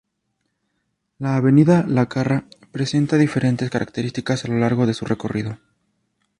La Avenida Lacarra presenta diferentes características a lo largo de su recorrido.